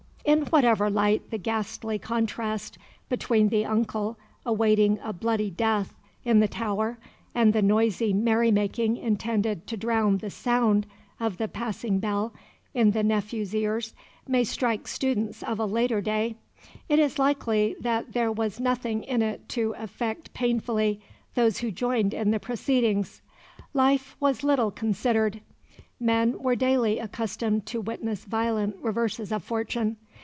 In whatever light the ghastly contrast between the uncle awaiting a bloody death in the Tower and the noisy merry making intended to drown the sound of the passing bell in the nephew's ears may strike students of a later day, it is likely that there was nothing in it to affect painfully those who joined in the proceedings. Life was little considered. Men were daily accustomed to witness violent reverses of fortune.